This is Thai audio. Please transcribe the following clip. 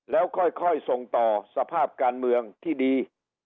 แล้วค่อยส่งต่อสภาพการเมืองที่ดี